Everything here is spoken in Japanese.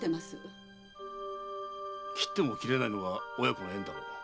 切っても切れないのが親子の縁だろう。